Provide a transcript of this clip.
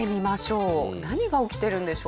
何が起きてるんでしょう？